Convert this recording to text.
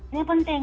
nah ini penting